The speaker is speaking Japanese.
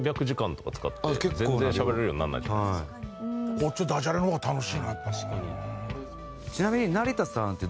こっちダジャレの方が楽しいなやっぱな。